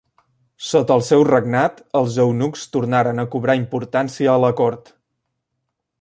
Sota el seu regnat, els eunucs tornaren a cobrar importància a la cort.